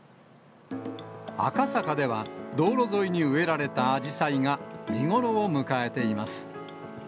赤坂では、道路沿いに植えられたアジサイが見頃を迎えています。